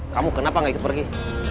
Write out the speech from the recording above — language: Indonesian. kamu kenapa gak ikut pergi